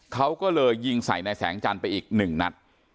เขาก็เลยยิงใส่นายแสงจันทร์ไปอีกหนึ่งนัด